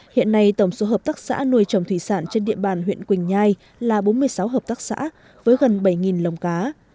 hiện nay tổng số hợp tác xã nuôi trồng thủy sản trên địa bàn huyện quỳnh nhai là bốn mươi sáu hợp tác xã với gần bảy lồng cá